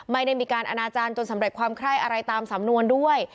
ไม่ได้มีการอนาจารย์จนสำเร็จความไคร้อะไรตามสำนวนด้วย